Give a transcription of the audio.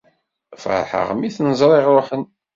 Ferḥeɣ mi ten-ẓriɣ ruḥen.